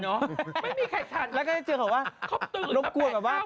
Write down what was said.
ก็จะเจอครับว่าเขาตื่นกับไหนครับ